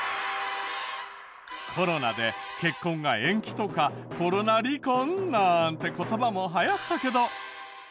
コロナで結婚が延期とかコロナ離婚なんて言葉も流行ったけど。